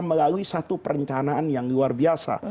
melalui satu perencanaan yang luar biasa